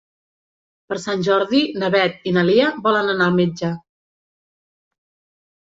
Per Sant Jordi na Beth i na Lia volen anar al metge.